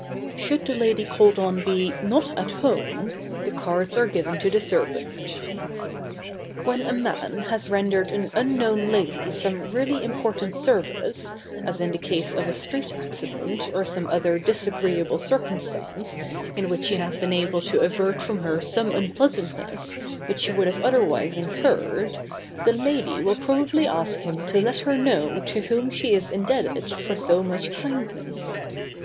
Should the lady called on be "Not at home" the cards are given to the servant. [Sidenote: Rendering an important service.] When a man has rendered an unknown lady some really important service, as in the case of a street accident or some other disagreeable circumstance in which he has been able to avert from her some unpleasantness which she would have otherwise incurred, the lady will probably ask him to let her know to whom she is indebted for so much kindness.